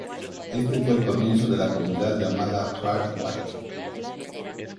Este fue el comienzo de la comunidad llamada Hardwicke.